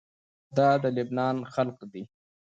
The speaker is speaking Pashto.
دا د لبنان خلق دي.